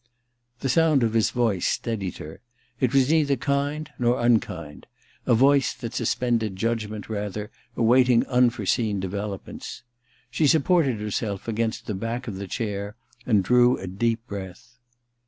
The sound of his voice steadied her. It was neither kind nor unkind — a voice that sus pended judgment, rather, awaidng unforeseen developments. She supported herself against the back of the chair and drew a deep breath.